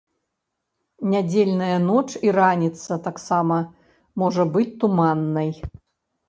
Нядзельная ноч і раніца таксама можа быць туманнай.